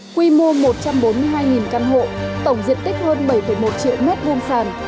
quy mô một trăm bốn mươi hai căn hộ tổng diện tích hơn bảy một triệu m hai sàn